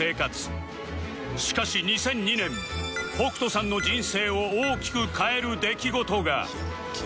しかし２００２年北斗さんの人生を大きく変える出来事が